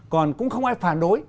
còn cũng không ai phản đối